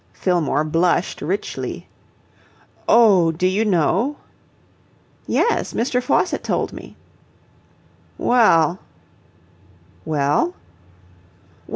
Fillmore blushed richly. "Oh, do you know?" "Yes. Mr. Faucitt told me." "Well..." "Well?"